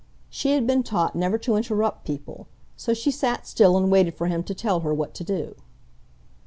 She had been taught never to interrupt people, so she sat still and waited for him to tell her what to do.